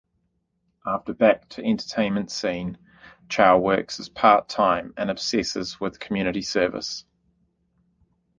After back to entertainment scene, Chow works as part-time and obsesses with community services.